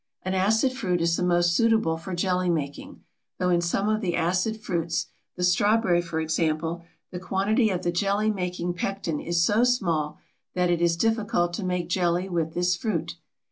An acid fruit is the most suitable for jelly making, though in some of the acid fruits, the strawberry, for example, the quantity of the jelly making pectin is so small that it is difficult to make jelly with this fruit.